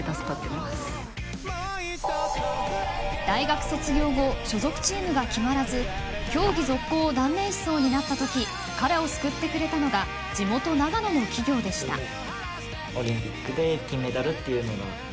大学卒業後所属チームが決まらず競技続行を断念しそうになった時彼を救ってくれたのが地元・長野の企業でした。